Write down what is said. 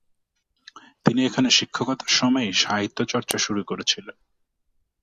তিনি এখানে শিক্ষকতার সময়ই সাহিত্যচর্চা শুরু করেছিলেন।